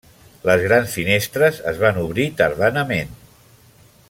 Les grans finestres es van obrir tardanament.